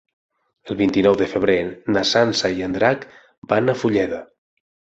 El vint-i-nou de febrer na Sança i en Drac van a Fulleda.